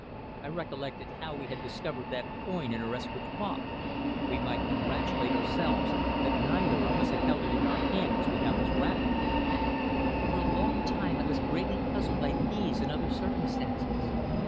I recollected how we had discovered that coin in her escritoire. We might congratulate ourselves that neither of us had held it in our hands without its wrappings. "For a long time I was greatly puzzled by these and other circumstances.